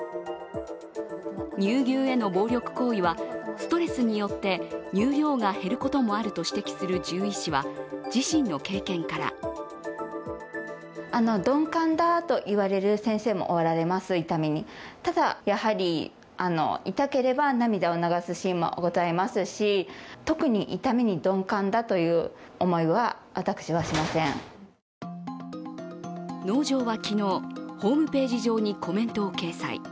乳牛への暴力行為はストレスによって乳量が減ることもあると指摘する獣医師は自身の経験から農場は昨日、ホームページ上にコメントを掲載。